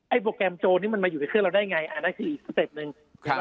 โปรแกรมโจนี่มันมาอยู่ในเครื่องเราได้ไงอันนั้นคืออีกสเต็ปหนึ่ง